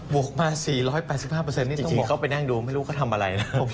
อ๋อบวกมา๔๘๕นี่ต้องบอกจริงเขาไปนั่งดูไม่รู้เขาทำอะไรนะ